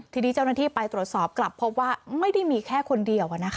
ทีนี้เจ้าหน้าที่ไปตรวจสอบกลับพบว่าไม่ได้มีแค่คนเดียว